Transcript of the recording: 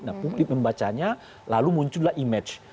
nah publik membacanya lalu muncullah image